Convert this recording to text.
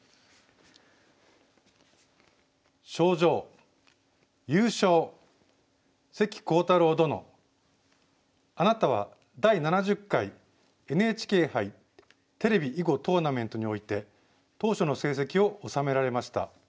「賞状優勝関航太郎殿あなたは第７０回ＮＨＫ杯テレビ囲碁トーナメントにおいて頭書の成績をおさめられました。